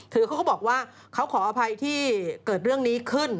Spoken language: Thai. คือเขาก็บอกว่าเขาขออภัยที่เกิดเรื่องนี้ขึ้น